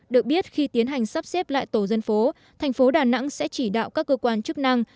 được biết khi tiến hành sắp xếp lại tổ dân phố thành phố đà nẵng sẽ chỉ đạo các cơ quan chức năng